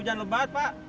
hujan hujan lebat pak